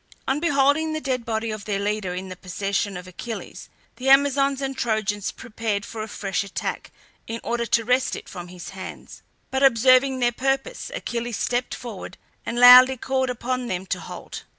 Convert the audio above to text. On beholding the dead body of their leader in the possession of Achilles, the Amazons and Trojans prepared for a fresh attack in order to wrest it from his hands; but observing their purpose, Achilles stepped forward and loudly called upon them to halt.